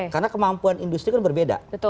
karena kemampuan industri kan berbeda